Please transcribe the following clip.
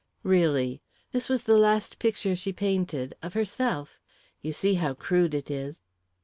"Really. This was the last picture she painted of herself. You see how crude it is."